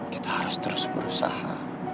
kita harus terus berusaha